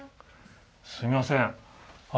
すみません。